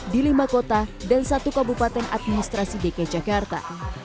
di lima kota dan satu kabupaten administrasi dki jakarta